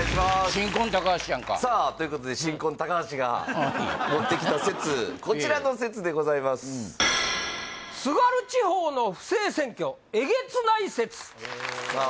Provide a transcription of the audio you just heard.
新婚高橋やんかさあということで新婚高橋が持ってきた説こちらの説でございますさあ